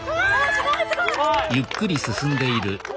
すごいすごい！わ！